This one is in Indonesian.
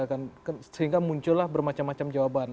nah misalkan sehingga muncullah bermacam macam jawaban